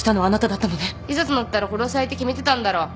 いざとなったら殺す相手決めてたんだろ？